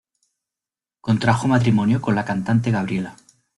Contrajo matrimonio con la cantante Gabriela.